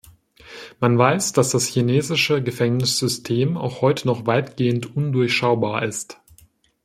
Man weiß, dass das chinesische Gefängnissystem auch heute noch weitgehend undurchschaubar ist.